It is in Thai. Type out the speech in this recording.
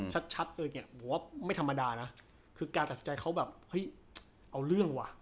ชัดกระดูจไม่ธรรมดานะ